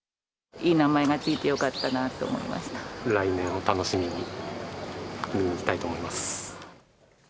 いい名前が付いてよかったな来年を楽しみに、見に来たいと思います。